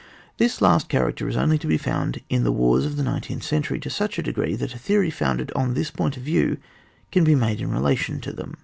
This last character is only to be found in the wars of the nine teenth century to such a degree that a theory founded on this point of view can be made use of in relation to them.